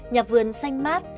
nhà vườn xanh mát